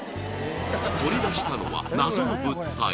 取り出したのは謎の物体